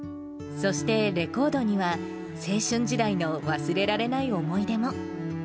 そして、レコードには、青春時代の忘れられない思い出も。